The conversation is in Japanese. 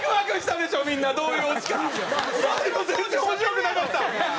でも全然面白くなかった！